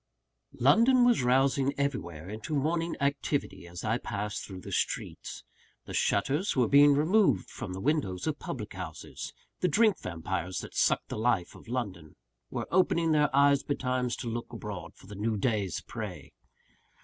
London was rousing everywhere into morning activity, as I passed through the streets. The shutters were being removed from the windows of public houses: the drink vampyres that suck the life of London, were opening their eyes betimes to look abroad for the new day's prey!